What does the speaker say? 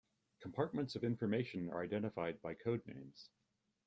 Compartments of information are identified by code names.